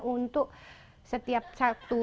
untuk setiap sabtu